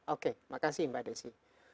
oke makasih mbak desi